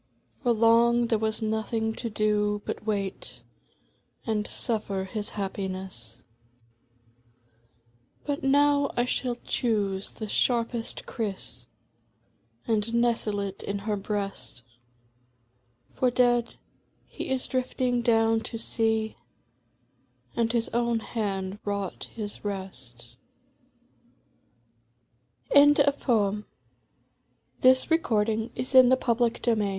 For long there was nothing to do but wait And suffer his happiness. But now I shall choose the sharpest Kriss And nestle it in her breast, For dead, he is drifting down to sea, And his own hand wrought his rest 9 The Bride BEAT on the Tom toms, and scatter the fl